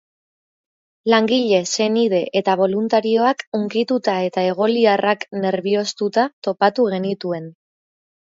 Langile, senide eta boluntarioak, hunkituta eta egoliarrak nerbiostuta topatu genituen.